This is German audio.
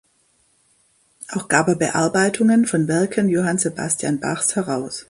Auch gab er Bearbeitungen von Werken Johann Sebastian Bachs heraus.